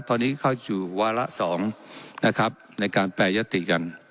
ตอนนี้เข้าอยู่วาระ๒ในการแปรยติกัน